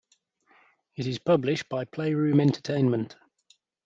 It is published by Playroom Entertainment.